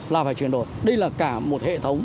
là phải chuyển đổi đây là cả một hệ thống